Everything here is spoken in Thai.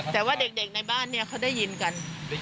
แต่ว่าเด็กในบ้านเนี่ยเขาได้ยินกัน